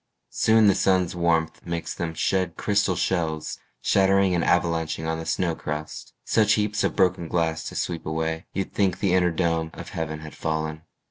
Soon the sun's warmth makes them shed crystal shells Shattering and avalanching on the snow crust Such heaps of broken glass to sweep away You'd think the inner dome of heaven had fallen.